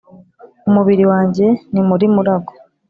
Umubiri wanjye ni muri Murago